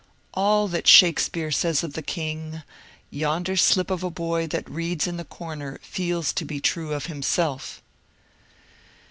All that Shakespeare says of the king, yonder slip of a boy that reads in the comer feels to be true of himself.